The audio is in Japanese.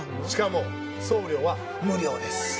しかも送料は無料です。